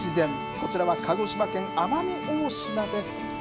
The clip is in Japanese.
こちらは鹿児島県奄美大島です。